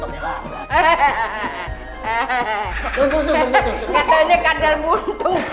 tentunya kadal buntu